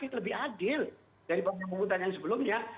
itu lebih adil dari pengumuman yang sebelumnya